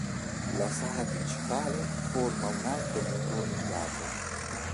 La sala principale forma un alto muro ondulato.